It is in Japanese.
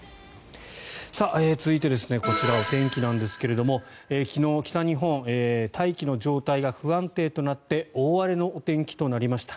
続いてこちら、お天気ですが昨日、北日本は大気の状態が不安定となって大荒れのお天気となりました。